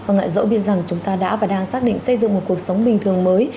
ngại dẫu biết rằng chúng ta đã và đang xác định xây dựng một cuộc sống bình thường mới